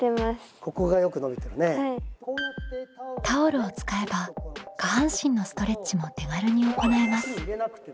タオルを使えば下半身のストレッチも手軽に行えます。